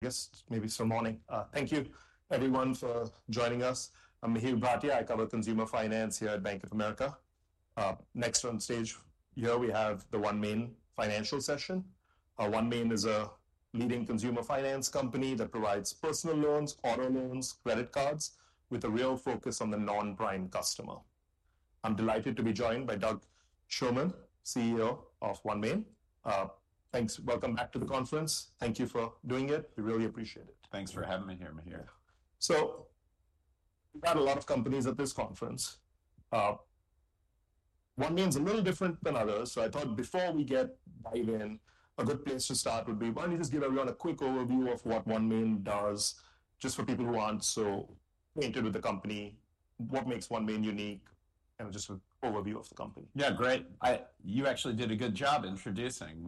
Good morning, guests. Thank you, everyone, for joining us. I'm Mihir Bhatia. I cover consumer finance here at Bank of America. Next on stage here, we have the OneMain Financial session. OneMain is a leading consumer finance company that provides personal loans, auto loans, and credit cards, with a real focus on the non-prime customer. I'm delighted to be joined by Doug Shulman, CEO of OneMain. Thanks. Welcome back to the conference. Thank you for doing it. We really appreciate it. Thanks for having me here, Mihir. We've got a lot of companies at this conference. OneMain is a little different than others. I thought before we dive in, a good place to start would be, why don't you just give everyone a quick overview of what OneMain does, just for people who aren't so acquainted with the company, what makes OneMain unique, and just an overview of the company. Yeah, great. You actually did a good job introducing.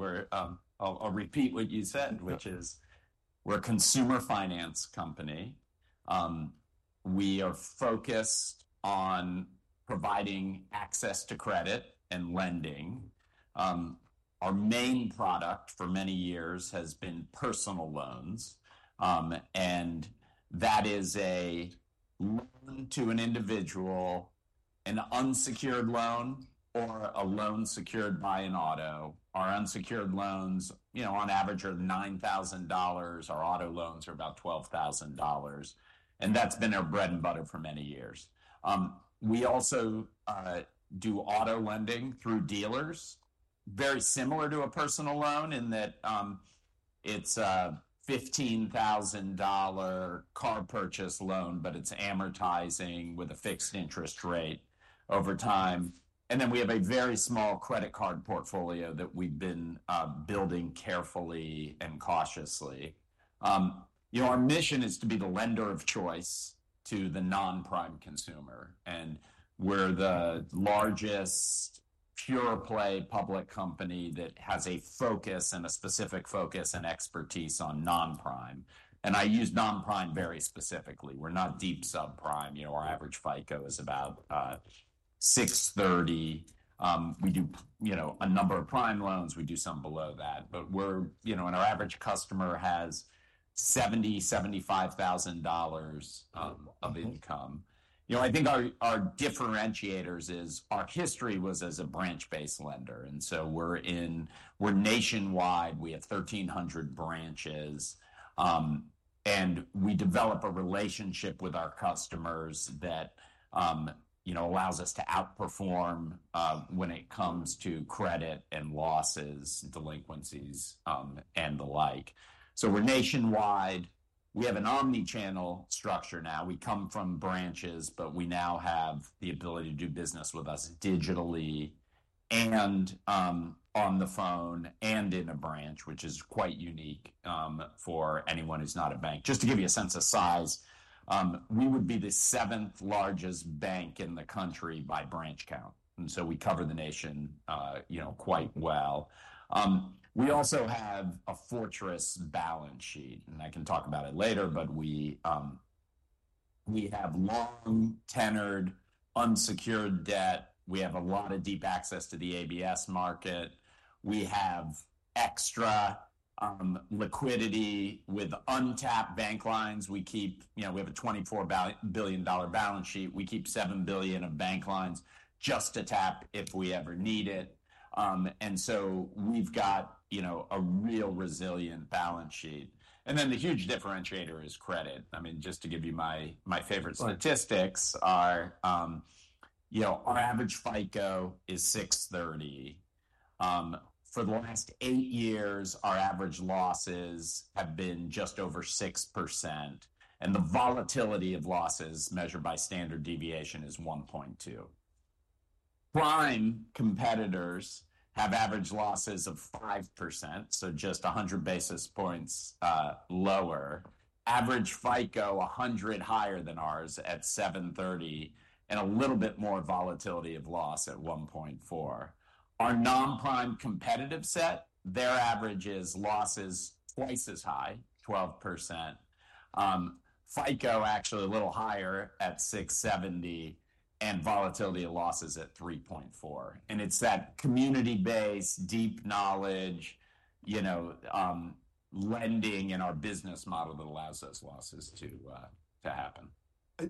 I'll repeat what you said, which is we're a consumer finance company. We are focused on providing access to credit and lending. Our main product for many years has been personal loans, and that is a loan to an individual, an unsecured loan or a loan secured by an auto. Our unsecured loans, on average, are $9,000. Our auto loans are about $12,000, and that's been our bread and butter for many years. We also do auto lending through dealers, very similar to a personal loan in that it's a $15,000 car purchase loan, but it's amortizing with a fixed interest rate over time, and then we have a very small credit card portfolio that we've been building carefully and cautiously. Our mission is to be the lender of choice to the non-prime consumer. And we're the largest pure-play public company that has a focus and a specific focus and expertise on non-prime. And I use non-prime very specifically. We're not deep subprime. Our average FICO is about 630. We do a number of prime loans. We do some below that. But our average customer has $70,000, $75,000 of income. I think our differentiators are our history as a branch-based lender. And so we're nationwide. We have 1,300 branches. And we develop a relationship with our customers that allows us to outperform when it comes to credit and losses, delinquencies, and the like. So we're nationwide. We have an omnichannel structure now. We come from branches, but we now have the ability to do business with us digitally and on the phone and in a branch, which is quite unique for anyone who's not a bank. Just to give you a sense of size, we would be the seventh largest bank in the country by branch count, and so we cover the nation quite well. We also have a fortress balance sheet, and I can talk about it later, but we have long-tenured, unsecured debt. We have a lot of deep access to the ABS market. We have extra liquidity with untapped bank lines. We have a $24 billion balance sheet. We keep $7 billion of bank lines just to tap if we ever need it, and so we've got a real resilient balance sheet, and then the huge differentiator is credit. I mean, just to give you my favorite statistics, our average FICO is 630. For the last eight years, our average losses have been just over 6%, and the volatility of losses measured by standard deviation is 1.2. Prime competitors have average losses of 5%, so just 100 basis points lower. Average FICO, 100 higher than ours at 730, and a little bit more volatility of loss at 1.4. Our non-prime competitive set, their average loss is twice as high, 12%. FICO, actually a little higher at 670, and volatility of losses at 3.4. And it's that community-based, deep knowledge lending in our business model that allows those losses to happen.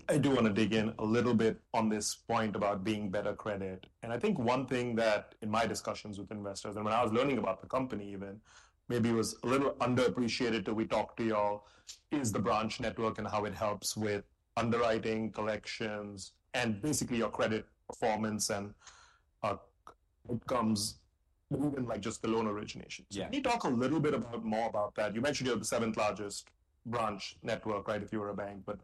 I do want to dig in a little bit on this point about being better credit. And I think one thing that in my discussions with investors and when I was learning about the company even, maybe it was a little underappreciated till we talked to y'all, is the branch network and how it helps with underwriting collections and basically your credit performance and outcomes, even just the loan origination. Can you talk a little bit more about that? You mentioned you're the seventh largest branch network, right, if you were a bank. But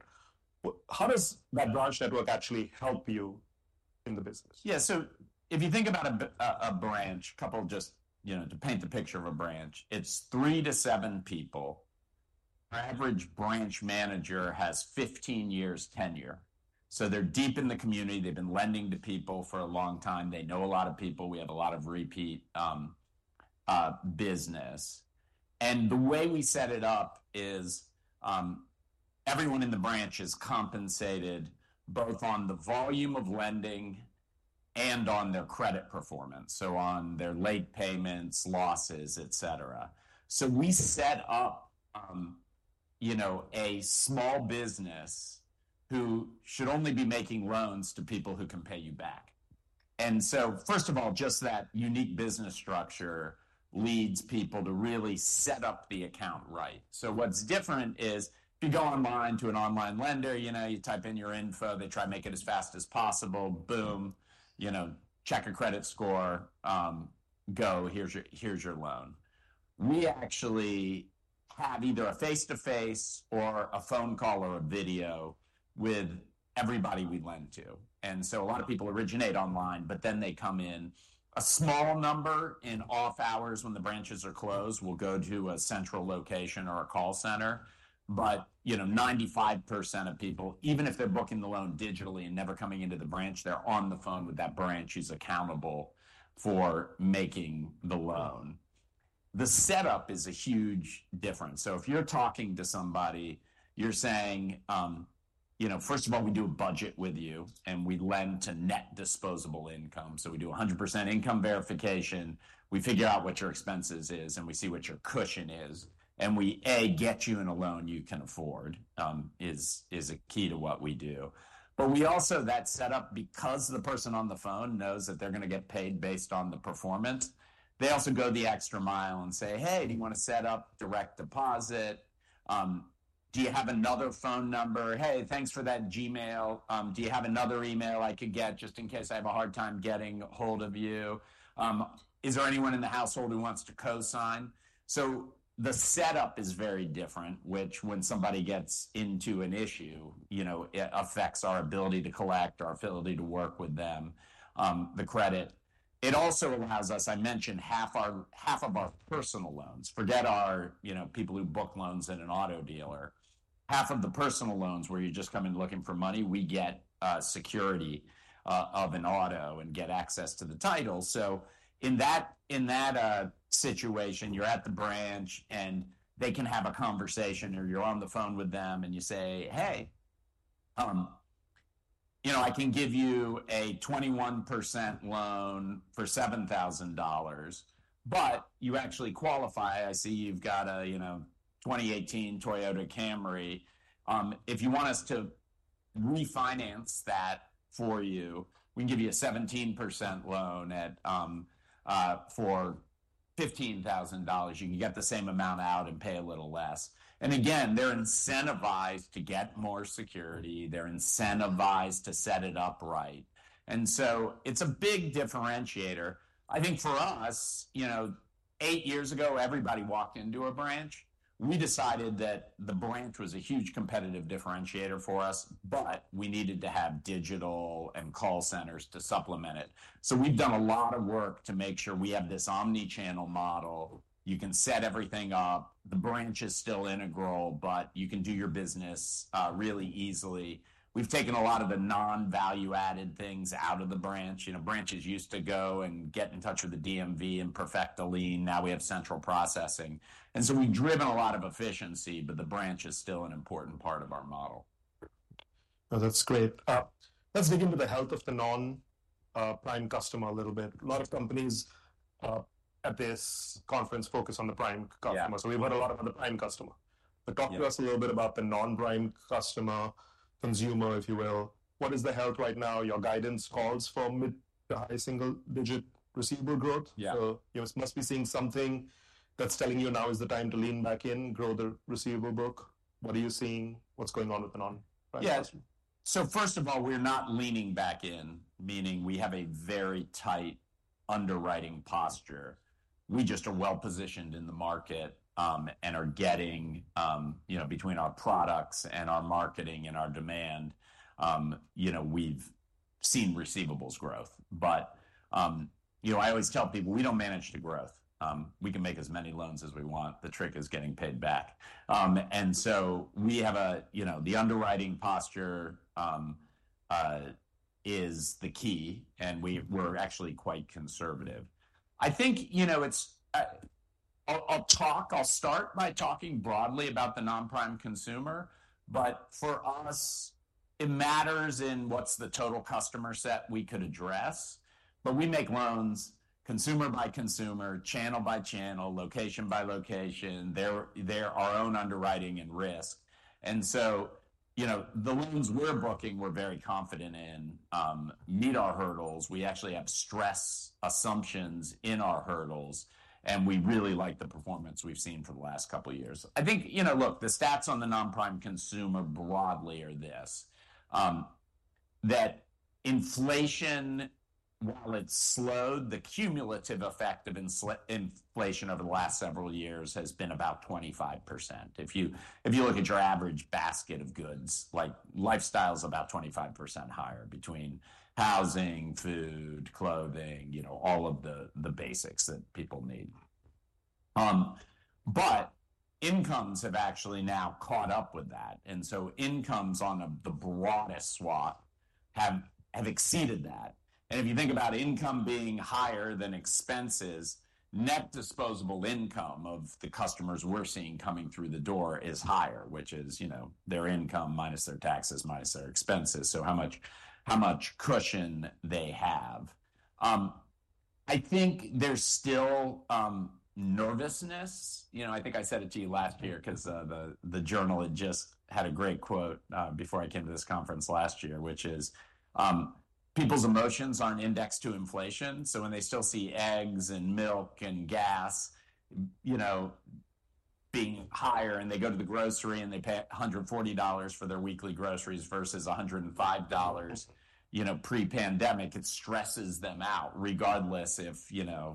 how does that branch network actually help you in the business? Yeah. So if you think about a branch, a couple just to paint the picture of a branch, it's three to seven people. Our average branch manager has 15 years' tenure. So they're deep in the community. They've been lending to people for a long time. They know a lot of people. We have a lot of repeat business. And the way we set it up is everyone in the branch is compensated both on the volume of lending and on their credit performance, so on their late payments, losses, et cetera. So we set up a small business who should only be making loans to people who can pay you back. And so first of all, just that unique business structure leads people to really set up the account right. So what's different is if you go online to an online lender, you type in your info, they try to make it as fast as possible, boom, check your credit score, go, here's your loan. We actually have either a face-to-face or a phone call or a video with everybody we lend to. And so a lot of people originate online, but then they come in. A small number in off hours when the branches are closed will go to a central location or a call center. But 95% of people, even if they're booking the loan digitally and never coming into the branch, they're on the phone with that branch who's accountable for making the loan. The setup is a huge difference. So if you're talking to somebody, you're saying, "First of all, we do a budget with you, and we lend to net disposable income. So we do 100% income verification. We figure out what your expenses are, and we see what your cushion is. "And we get you in a loan you can afford," is a key to what we do. But we also that setup, because the person on the phone knows that they're going to get paid based on the performance, they also go the extra mile and say, "Hey, do you want to set up direct deposit? Do you have another phone number? Hey, thanks for that Gmail. Do you have another email I could get just in case I have a hard time getting hold of you? Is there anyone in the household who wants to co-sign?" So the setup is very different, which, when somebody gets into an issue, it affects our ability to collect, our ability to work with them, the credit. It also allows us, I mentioned, half of our personal loans. Forget our people who book loans at an auto dealer. Half of the personal loans where you're just coming looking for money, we get security of an auto and get access to the title. So in that situation, you're at the branch, and they can have a conversation, or you're on the phone with them, and you say, "Hey, I can give you a 21% loan for $7,000, but you actually qualify. I see you've got a 2018 Toyota Camry. If you want us to refinance that for you, we can give you a 17% loan for $15,000. You can get the same amount out and pay a little less." And again, they're incentivized to get more security. They're incentivized to set it up right. And so it's a big differentiator. I think for us, eight years ago, everybody walked into a branch. We decided that the branch was a huge competitive differentiator for us, but we needed to have digital and call centers to supplement it. So we've done a lot of work to make sure we have this omnichannel model. You can set everything up. The branch is still integral, but you can do your business really easily. We've taken a lot of the non-value-added things out of the branch. Branches used to go and get in touch with the DMV and perfect a lien. Now we have central processing, and so we've driven a lot of efficiency, but the branch is still an important part of our model. No, that's great. Let's dig into the health of the non-prime customer a little bit. A lot of companies at this conference focus on the prime customer. So we've heard a lot about the prime customer. But talk to us a little bit about the non-prime customer, consumer, if you will. What is the health right now? Your guidance calls for mid to high single-digit receivable growth. So you must be seeing something that's telling you now is the time to lean back in, grow the receivable book. What are you seeing? What's going on with the non-prime customer? Yeah. So first of all, we're not leaning back in, meaning we have a very tight underwriting posture. We just are well-positioned in the market, and between our products and our marketing and our demand, we've seen receivables growth. But I always tell people, we don't manage the growth. We can make as many loans as we want. The trick is getting paid back. And so we have the underwriting posture is the key. And we're actually quite conservative. I think I'll start by talking broadly about the non-prime consumer. But for us, it matters in what's the total customer set we could address. But we make loans consumer by consumer, channel by channel, location by location. They're our own underwriting and risk. And so the loans we're booking, we're very confident in meet our hurdles. We actually have stress assumptions in our hurdles. We really like the performance we've seen for the last couple of years. I think, look, the stats on the non-prime consumer broadly are this: that inflation, while it's slowed, the cumulative effect of inflation over the last several years has been about 25%. If you look at your average basket of goods, lifestyle is about 25% higher between housing, food, clothing, all of the basics that people need. But incomes have actually now caught up with that. And so incomes on the broadest swath have exceeded that. And if you think about income being higher than expenses, net disposable income of the customers we're seeing coming through the door is higher, which is their income minus their taxes minus their expenses, so how much cushion they have. I think there's still nervousness. I think I said it to you last year because the Journal had just had a great quote before I came to this conference last year, which is people's emotions aren't indexed to inflation, so when they still see eggs and milk and gas being higher, and they go to the grocery and they pay $140 for their weekly groceries versus $105 pre-pandemic, it stresses them out. Regardless if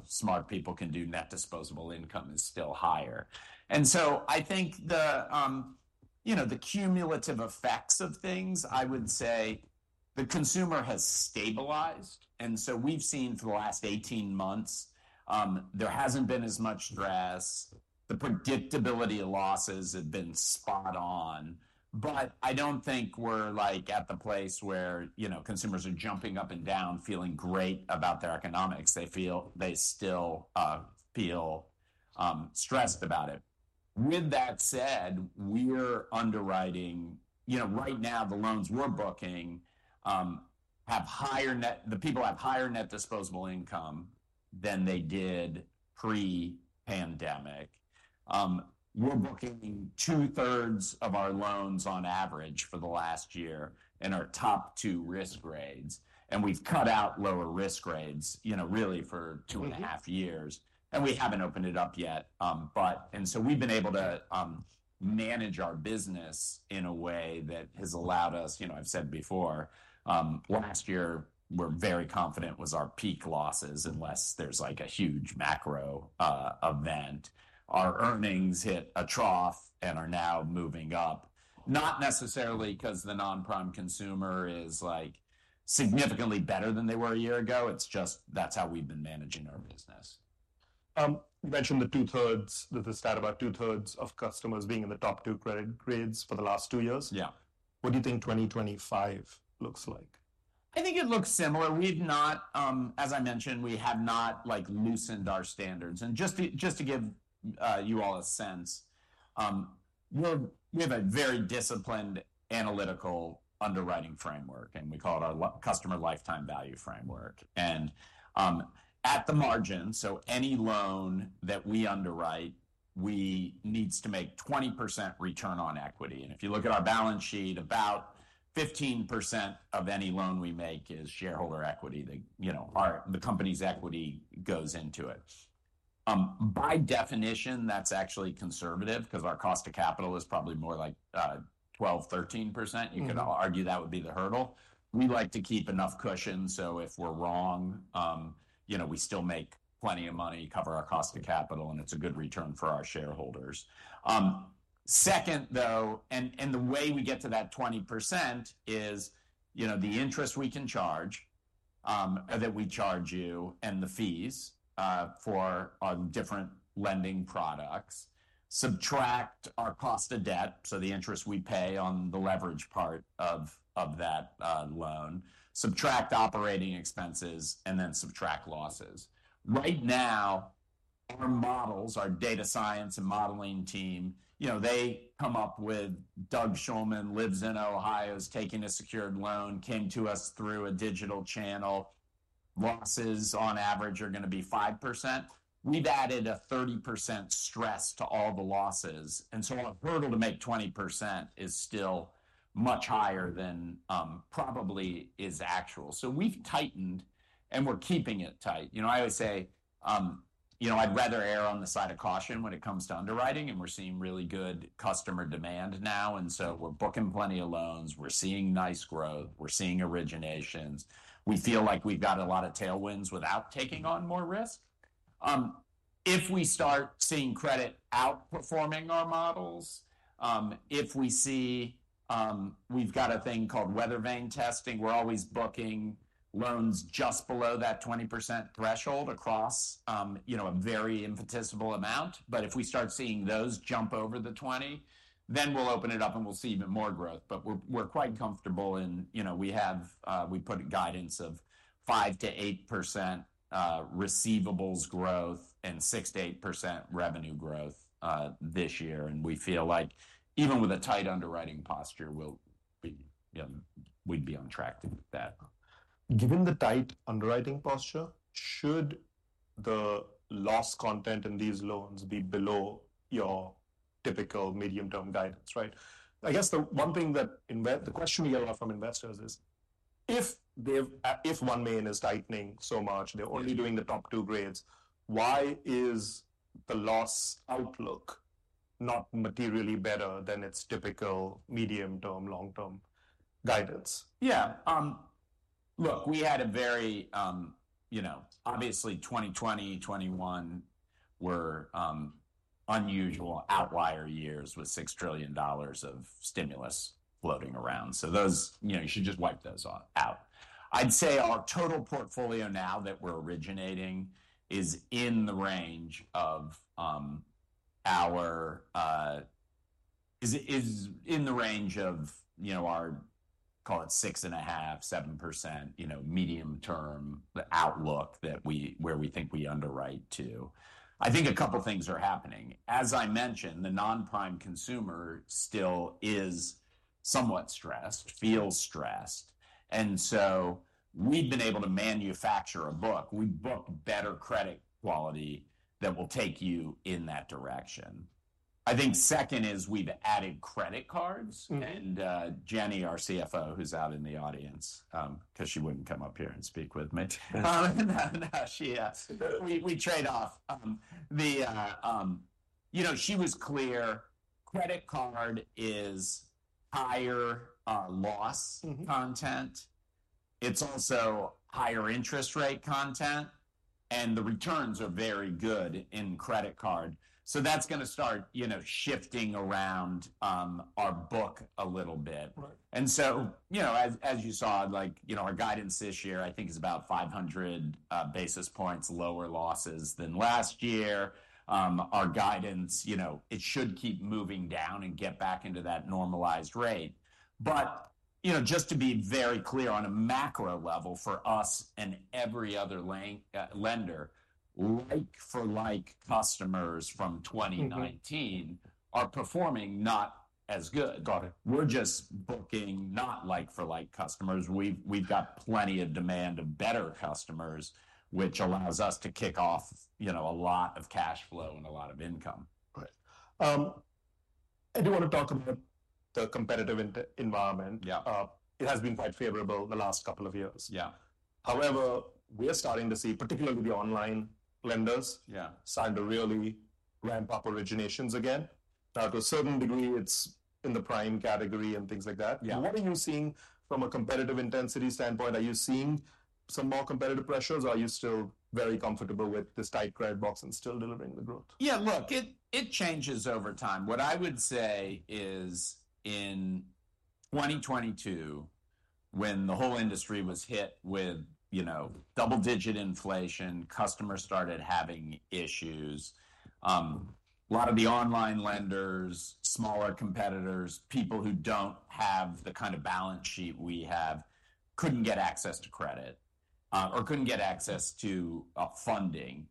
smart people can do, net disposable income is still higher, and so I think the cumulative effects of things, I would say the consumer has stabilized, and so we've seen for the last 18 months, there hasn't been as much stress. The predictability of losses has been spot on, but I don't think we're at the place where consumers are jumping up and down, feeling great about their economics. They still feel stressed about it. With that said, we're underwriting right now, the loans we're booking have higher net disposable income. The people have higher net disposable income than they did pre-pandemic. We're booking two-thirds of our loans on average for the last year in our top two risk grades, and we've cut out lower risk grades really for two and a half years, and we haven't opened it up yet, and so we've been able to manage our business in a way that has allowed us. I've said before, last year, we're very confident was our peak losses unless there's a huge macro event. Our earnings hit a trough and are now moving up, not necessarily because the non-prime consumer is significantly better than they were a year ago. It's just that's how we've been managing our business. You mentioned the two-thirds, the stat about two-thirds of customers being in the top two credit grades for the last two years. What do you think 2025 looks like? I think it looks similar. As I mentioned, we have not loosened our standards. And just to give you all a sense, we have a very disciplined analytical underwriting framework, and we call it our customer lifetime value framework. And at the margin, so any loan that we underwrite, we need to make 20% return on equity. And if you look at our balance sheet, about 15% of any loan we make is shareholder equity. The company's equity goes into it. By definition, that's actually conservative because our cost of capital is probably more like 12%-13%. You could argue that would be the hurdle. We like to keep enough cushion. So if we're wrong, we still make plenty of money, cover our cost of capital, and it's a good return for our shareholders. Second, though, and the way we get to that 20% is the interest we can charge that we charge you and the fees for our different lending products, subtract our cost of debt, so the interest we pay on the leverage part of that loan, subtract operating expenses, and then subtract losses. Right now, our models, our data science and modeling team, they come up with Doug Shulman lives in Ohio, is taking a secured loan, came to us through a digital channel. Losses on average are going to be 5%. We've added a 30% stress to all the losses. And so our hurdle to make 20% is still much higher than probably is actual. So we've tightened, and we're keeping it tight. I always say I'd rather err on the side of caution when it comes to underwriting, and we're seeing really good customer demand now. And so we're booking plenty of loans. We're seeing nice growth. We're seeing originations. We feel like we've got a lot of tailwinds without taking on more risk. If we start seeing credit outperforming our models, if we see we've got a thing called Weathervane testing. We're always booking loans just below that 20% threshold across a very infinitesimal amount. But if we start seeing those jump over the 20%, then we'll open it up and we'll see even more growth. But we're quite comfortable in we put a guidance of 5%-8% receivables growth and 6%-8% revenue growth this year. And we feel like even with a tight underwriting posture, we'd be on track to get that. Given the tight underwriting posture, should the loss content in these loans be below your typical medium-term guidance, right? I guess the one thing that the question we get a lot from investors is if OneMain is tightening so much, they're only doing the top two grades, why is the loss outlook not materially better than its typical medium-term, long-term guidance? Yeah. Look, we had a very obviously, 2020, 2021 were unusual outlier years with $6 trillion of stimulus floating around. So you should just wipe those out. I'd say our total portfolio now that we're originating is in the range of our, call it 6.5%-7% medium-term outlook where we think we underwrite to. I think a couple of things are happening. As I mentioned, the non-prime consumer still is somewhat stressed, feels stressed. And so we've been able to manufacture a book. We book better credit quality that will take you in that direction. I think second is we've added credit cards. And Jenny, our CFO, who's out in the audience because she wouldn't come up here and speak with me. No, no, no. We trade off. She was clear. Credit card is higher loss content. It's also higher interest rate content. And the returns are very good in credit card. So that's going to start shifting around our book a little bit. And so as you saw, our guidance this year, I think, is about 500 basis points lower losses than last year. Our guidance, it should keep moving down and get back into that normalized rate. But just to be very clear on a macro level for us and every other lender, like-for-like customers from 2019 are performing not as good. We're just booking not like-for-like customers. We've got plenty of demand of better customers, which allows us to kick off a lot of cash flow and a lot of income. Right. I do want to talk about the competitive environment. It has been quite favorable the last couple of years. However, we are starting to see, particularly the online lenders, starting to really ramp up originations again. Now, to a certain degree, it's in the prime category and things like that. What are you seeing from a competitive intensity standpoint? Are you seeing some more competitive pressures, or are you still very comfortable with this tight credit box and still delivering the growth? Yeah, look, it changes over time. What I would say is in 2022, when the whole industry was hit with double-digit inflation, customers started having issues. A lot of the online lenders, smaller competitors, people who don't have the kind of balance sheet we have couldn't get access to credit or couldn't get access to funding.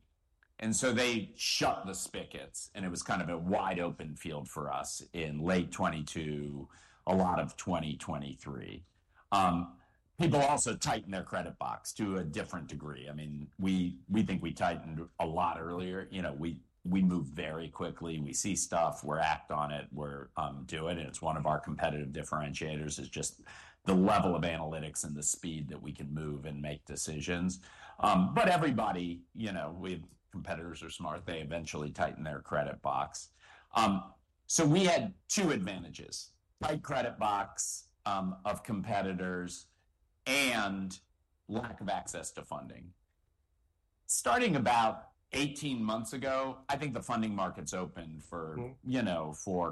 And so they shut the spigots. And it was kind of a wide open field for us in late 2022, a lot of 2023. People also tighten their credit box to a different degree. I mean, we think we tightened a lot earlier. We move very quickly. We see stuff. We act on it. We do it. And it's one of our competitive differentiators is just the level of analytics and the speed that we can move and make decisions. But everybody, we have competitors are smart. They eventually tighten their credit box. So we had two advantages: tight credit box of competitors and lack of access to funding. Starting about 18 months ago, I think the funding markets opened for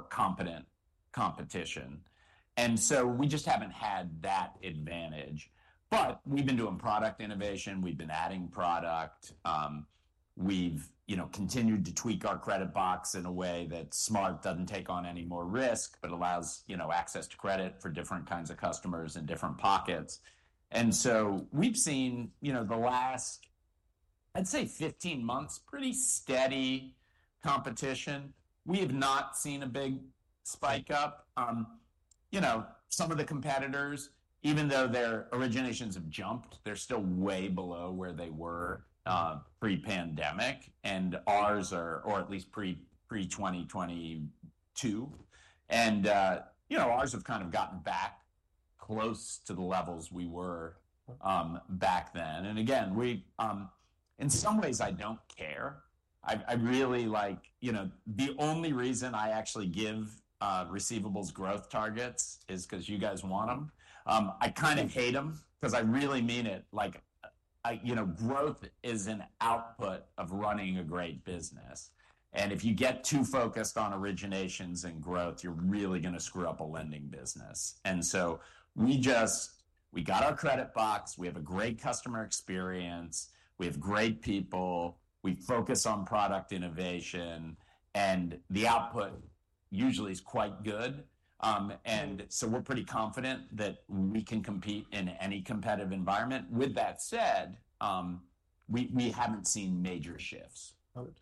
competent competition. And so we just haven't had that advantage. But we've been doing product innovation. We've been adding product. We've continued to tweak our credit box in a way that smartly doesn't take on any more risk, but allows access to credit for different kinds of customers in different pockets. And so we've seen the last, I'd say, 15 months, pretty steady competition. We have not seen a big spike up. Some of the competitors, even though their originations have jumped, they're still way below where they were pre-pandemic, and ours are, or at least pre-2022. And ours have kind of gotten back close to the levels we were back then. And again, in some ways, I don't care. I really hate. The only reason I actually give receivables growth targets is because you guys want them. I kind of hate them because I really mean it. Growth is an output of running a great business, and if you get too focused on originations and growth, you're really going to screw up a lending business, and so we got our credit box. We have a great customer experience. We have great people. We focus on product innovation, and the output usually is quite good, and so we're pretty confident that we can compete in any competitive environment. With that said, we haven't seen major shifts. Got it.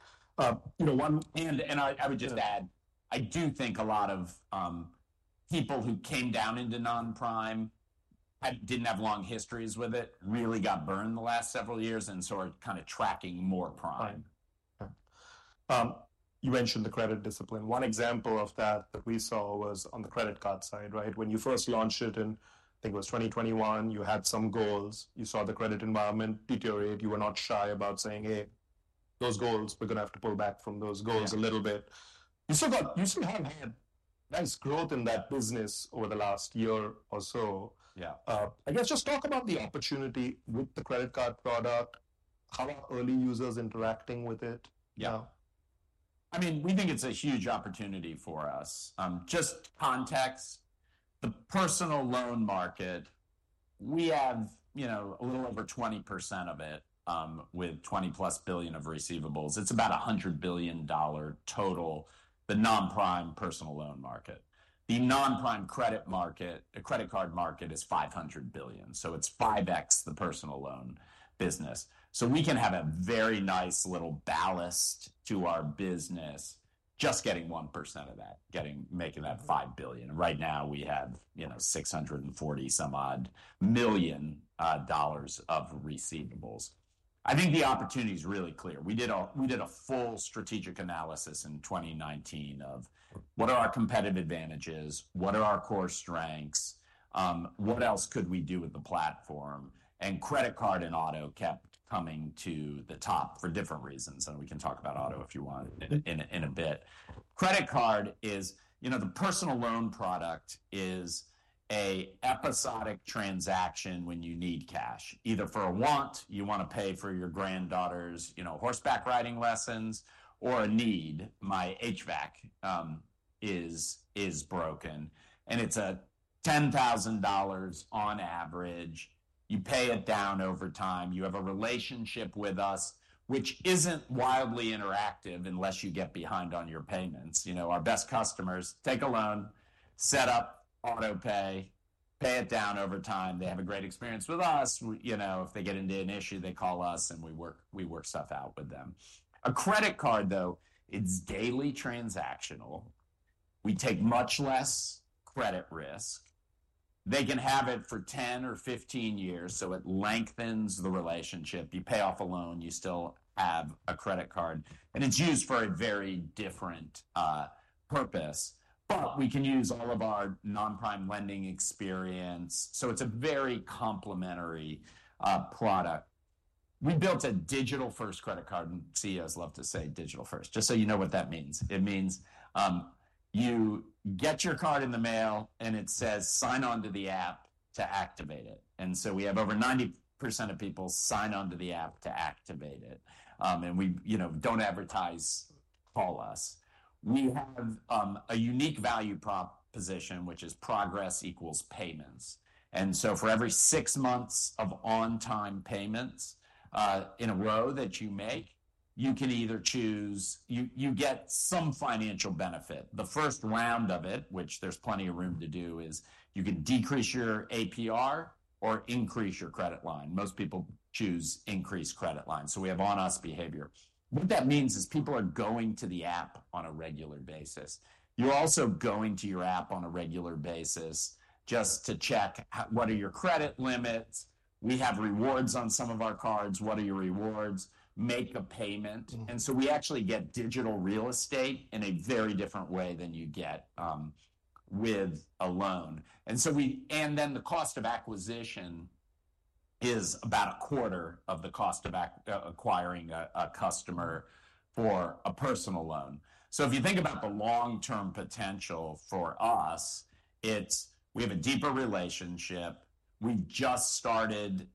One. I would just add, I do think a lot of people who came down into non-prime, didn't have long histories with it, really got burned the last several years, and so are kind of tracking more prime. Right. You mentioned the credit discipline. One example of that that we saw was on the credit card side, right? When you first launched it in, I think it was 2021, you had some goals. You saw the credit environment deteriorate. You were not shy about saying, "Hey, those goals, we're going to have to pull back from those goals a little bit." You still have had nice growth in that business over the last year or so. I guess just talk about the opportunity with the credit card product. How are early users interacting with it now? Yeah. I mean, we think it's a huge opportunity for us. Just context, the personal loan market, we have a little over 20% of it with $20+ billion of receivables. It's about a $100 billion total, the non-prime personal loan market. The non-prime credit card market is $500 billion. So it's 5x the personal loan business. So we can have a very nice little ballast to our business, just getting 1% of that, making that $5 billion. Right now, we have $640-some-odd million of receivables. I think the opportunity is really clear. We did a full strategic analysis in 2019 of what are our competitive advantages, what are our core strengths, what else could we do with the platform. And credit card and auto kept coming to the top for different reasons. And we can talk about auto if you want in a bit. Credit card is the personal loan product is an episodic transaction when you need cash. Either for a want, you want to pay for your granddaughter's horseback riding lessons, or a need, my HVAC is broken, and it's $10,000 on average. You pay it down over time. You have a relationship with us, which isn't wildly interactive unless you get behind on your payments. Our best customers take a loan, set up autopay, pay it down over time. They have a great experience with us. If they get into an issue, they call us, and we work stuff out with them. A credit card, though, it's daily transactional. We take much less credit risk. They can have it for 10 or 15 years, so it lengthens the relationship. You pay off a loan, you still have a credit card, and it's used for a very different purpose. But we can use all of our non-prime lending experience, so it's a very complementary product. We built a digital-first credit card. And CEOs love to say digital-first, just so you know what that means. It means you get your card in the mail, and it says, "Sign on to the app to activate it." And so we have over 90% of people sign on to the app to activate it. And we don't advertise, call us. We have a unique value proposition, which is progress equals payments. And so for every six months of on-time payments in a row that you make, you can either choose you get some financial benefit. The first round of it, which there's plenty of room to do, is you can decrease your APR or increase your credit line. Most people choose increased credit line. So we have on-us behavior. What that means is people are going to the app on a regular basis. You're also going to your app on a regular basis just to check what are your credit limits. We have rewards on some of our cards. What are your rewards? Make a payment. And so we actually get digital real estate in a very different way than you get with a loan. And then the cost of acquisition is about a quarter of the cost of acquiring a customer for a personal loan. So if you think about the long-term potential for us, we have a deeper relationship. We've just started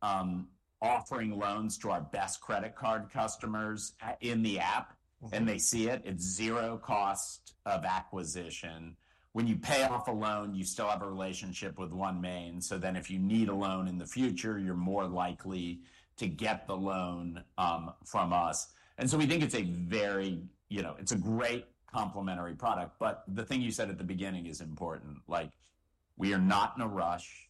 offering loans to our best credit card customers in the app, and they see it. It's zero cost of acquisition. When you pay off a loan, you still have a relationship with OneMain. Then if you need a loan in the future, you're more likely to get the loan from us. And so we think it's a very great complementary product. But the thing you said at the beginning is important. We are not in a rush.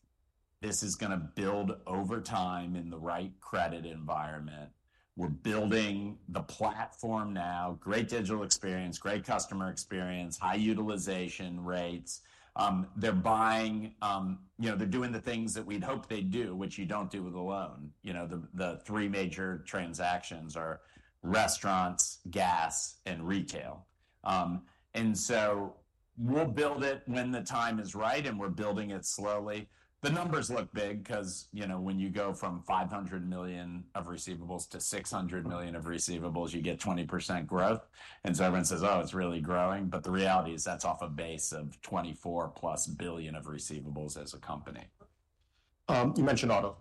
This is going to build over time in the right credit environment. We're building the platform now. Great digital experience, great customer experience, high utilization rates. They're buying. They're doing the things that we'd hope they do, which you don't do with a loan. The three major transactions are restaurants, gas, and retail. And so we'll build it when the time is right, and we're building it slowly. The numbers look big because when you go from $500 million of receivables to $600 million of receivables, you get 20% growth. And so everyone says, "Oh, it's really growing." But the reality is that's off a base of $24+ billion of receivables as a company. You mentioned auto.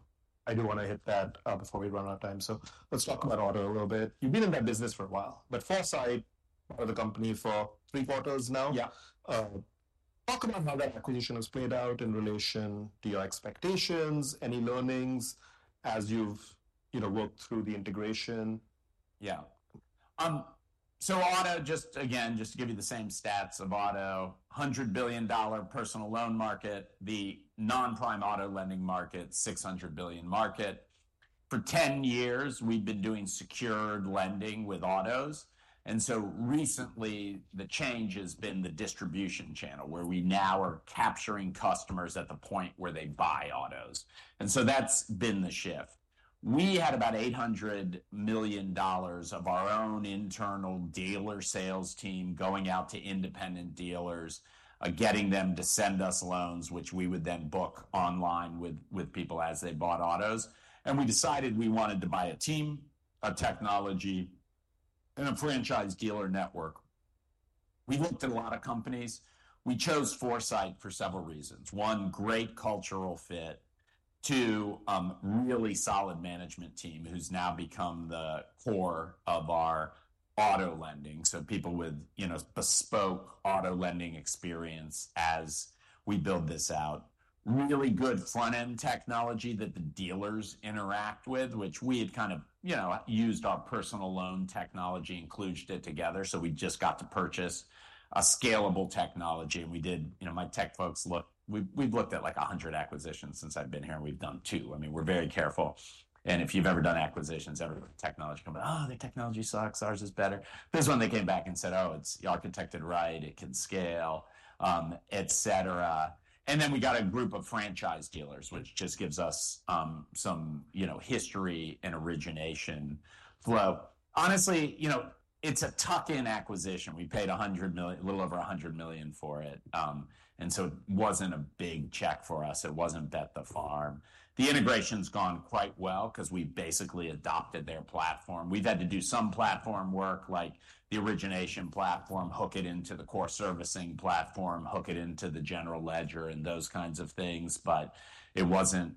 I do want to hit that before we run out of time. So let's talk about auto a little bit. You've been in that business for a while, but Foursight, part of the company for three quarters now. Talk about how that acquisition has played out in relation to your expectations, any learnings as you've worked through the integration. Yeah. So auto, just again, just to give you the same stats of auto, $100 billion personal loan market, the non-prime auto lending market, $600 billion market. For 10 years, we've been doing secured lending with autos. And so recently, the change has been the distribution channel where we now are capturing customers at the point where they buy autos. And so that's been the shift. We had about $800 million of our own internal dealer sales team going out to independent dealers, getting them to send us loans, which we would then book online with people as they bought autos. And we decided we wanted to buy a team, a technology, and a franchise dealer network. We looked at a lot of companies. We chose Foursight for several reasons. One, great cultural fit. Two, really solid management team who's now become the core of our auto lending. So people with bespoke auto lending experience as we build this out. Really good front-end technology that the dealers interact with, which we had kind of used our personal loan technology, included it together. So we just got to purchase a scalable technology. And we did, my tech folks, look, we've looked at like 100 acquisitions since I've been here, and we've done two. I mean, we're very careful. And if you've ever done acquisitions, every technology company, "Oh, the technology sucks. Ours is better." There's one that came back and said, "Oh, it's architected right. It can scale," etc. And then we got a group of franchise dealers, which just gives us some history and origination flow. Honestly, it's a tuck-in acquisition. We paid a little over $100 million for it. And so it wasn't a big check for us. It wasn't bet the farm. The integration's gone quite well because we basically adopted their platform. We've had to do some platform work, like the origination platform, hook it into the core servicing platform, hook it into the general ledger, and those kinds of things. But it wasn't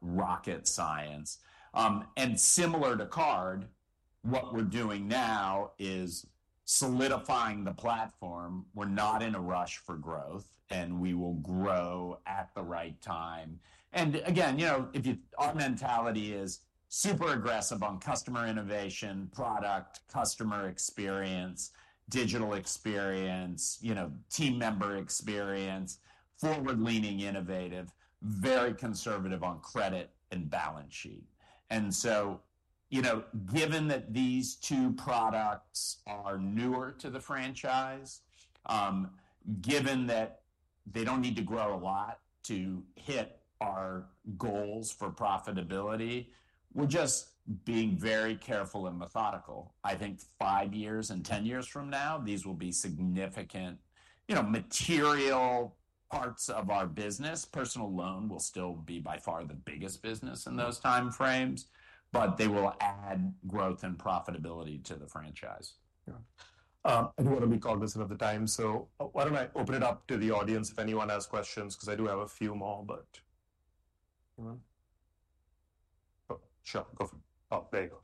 rocket science. And similar to card, what we're doing now is solidifying the platform. We're not in a rush for growth, and we will grow at the right time. And again, our mentality is super aggressive on customer innovation, product, customer experience, digital experience, team member experience, forward-leaning, innovative, very conservative on credit and balance sheet. And so given that these two products are newer to the franchise, given that they don't need to grow a lot to hit our goals for profitability, we're just being very careful and methodical. I think five years and 10 years from now, these will be significant material parts of our business. Personal loan will still be by far the biggest business in those time frames, but they will add growth and profitability to the franchise. Yeah. I don't want to recall this at the time. So why don't I open it up to the audience if anyone has questions? Because I do have a few more, but. Sure. Go for it. Oh, there you go.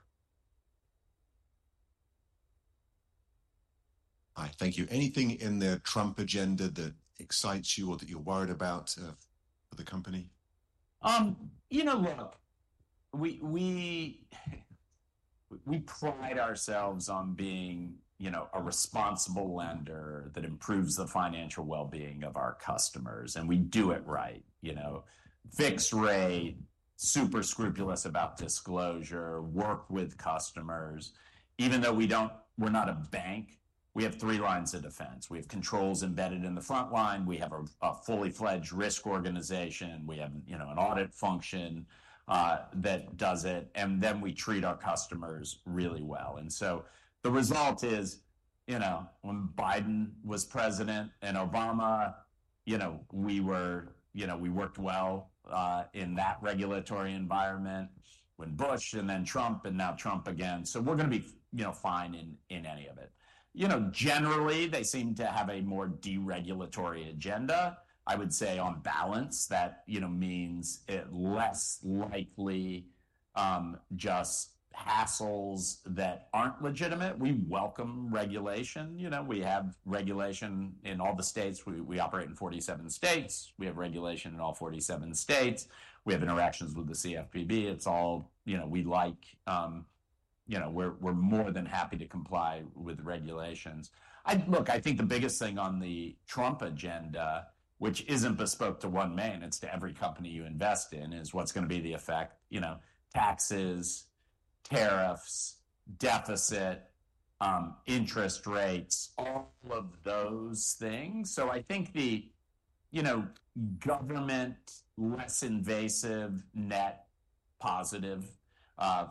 Hi. Thank you. Anything in the Trump agenda that excites you or that you're worried about for the company? You know, look, we pride ourselves on being a responsible lender that improves the financial well-being of our customers. And we do it right. Fixed rate, super scrupulous about disclosure, work with customers. Even though we're not a bank, we have three lines of defense. We have controls embedded in the front line. We have a fully-fledged risk organization. We have an audit function that does it. And then we treat our customers really well. And so the result is when Biden was president and Obama, we worked well in that regulatory environment. When Bush and then Trump and now Trump again. So we're going to be fine in any of it. Generally, they seem to have a more deregulatory agenda. I would say on balance, that means it less likely just hassles that aren't legitimate. We welcome regulation. We have regulation in all the states. We operate in 47 states. We have regulation in all 47 states. We have interactions with the CFPB. It's all we like. We're more than happy to comply with regulations. Look, I think the biggest thing on the Trump agenda, which isn't bespoke to OneMain, it's to every company you invest in, is what's going to be the effect: taxes, tariffs, deficit, interest rates, all of those things. So I think the government less invasive, net positive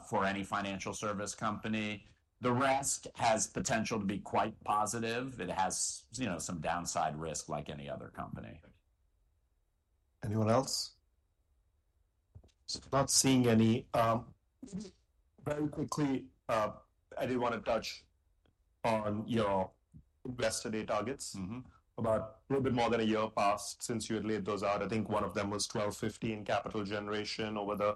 for any financial service company. The rest has potential to be quite positive. It has some downside risk like any other company. Anyone else? Not seeing any. Very quickly, I didn't want to touch on your Investor Day targets. A little bit more than a year passed since you had laid those out. I think one of them was 12-15 capital generation over the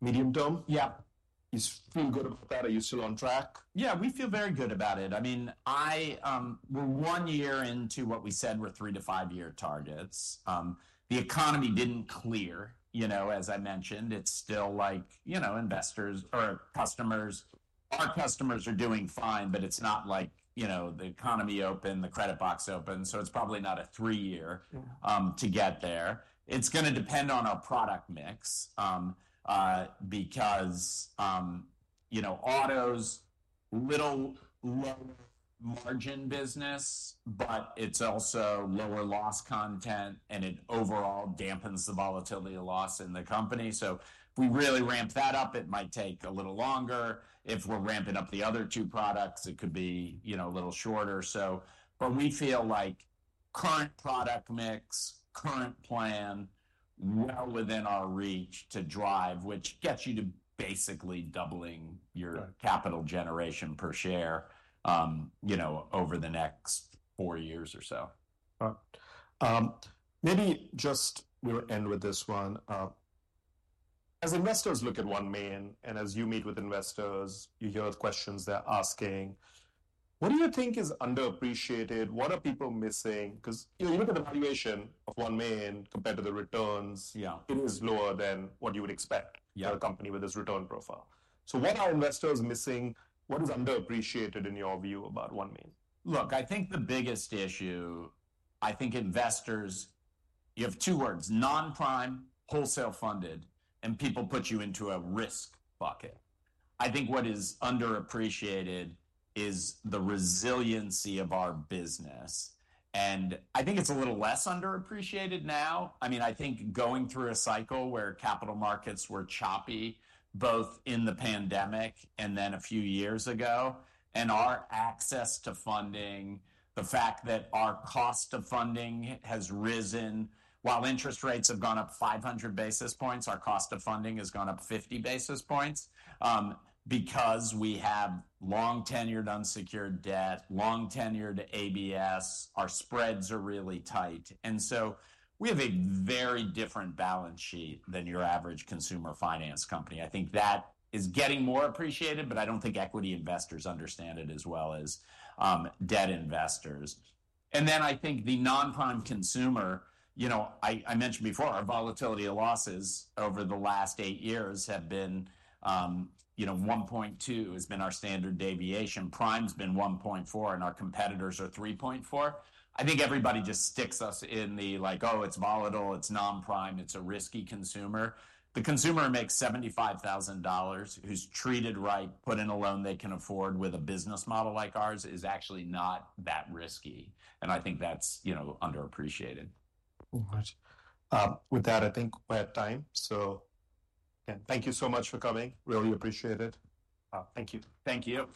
medium term. Yep. You feel good about that? Are you still on track? Yeah, we feel very good about it. I mean, we're one year into what we said were three to five-year targets. The economy didn't clear, as I mentioned. It's still like investors or customers, our customers are doing fine, but it's not like the economy open, the credit box open. So it's probably not a three-year to get there. It's going to depend on our product mix because auto's a little lower margin business, but it's also lower loss content, and it overall dampens the volatility loss in the company. So if we really ramp that up, it might take a little longer. If we're ramping up the other two products, it could be a little shorter. But we feel like current product mix, current plan, well within our reach to drive, which gets you to basically doubling your capital generation per share over the next four years or so. All right. Maybe just we'll end with this one. As investors look at OneMain and as you meet with investors, you hear the questions they're asking, what do you think is underappreciated? What are people missing? Because you look at the valuation of OneMain compared to the returns, it is lower than what you would expect for a company with this return profile. So what are investors missing? What is underappreciated in your view about OneMain? Look, I think the biggest issue, I think investors, you have two words: non-prime, wholesale funded, and people put you into a risk bucket. I think what is underappreciated is the resiliency of our business, and I think it's a little less underappreciated now. I mean, I think going through a cycle where capital markets were choppy, both in the pandemic and then a few years ago, and our access to funding, the fact that our cost of funding has risen. While interest rates have gone up 500 basis points, our cost of funding has gone up 50 basis points because we have long-tenor unsecured debt, long-tenor ABS, our spreads are really tight, and so we have a very different balance sheet than your average consumer finance company. I think that is getting more appreciated, but I don't think equity investors understand it as well as debt investors. And then I think the non-prime consumer, I mentioned before, our volatility of losses over the last eight years have been 1.2 has been our standard deviation. Prime's been 1.4, and our competitors are 3.4. I think everybody just sticks us in the like, "Oh, it's volatile. It's non-prime. It's a risky consumer." The consumer who makes $75,000, who's treated right, put in a loan they can afford with a business model like ours, is actually not that risky. And I think that's underappreciated. All right. With that, I think we're at time. So again, thank you so much for coming. Really appreciate it. Thank you. Thank you.